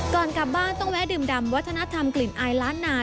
ก่อนกลับบ้านต้องแวะดื่มดำวัฒนธรรมกลิ่นอายล้านนา